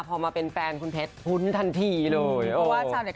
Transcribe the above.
แต่มายก็ยึดในสิ่งที่เขาเป็นกับเรานะ